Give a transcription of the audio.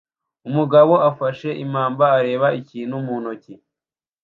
Umugabo afashe ipamba areba ikintu mu ntoki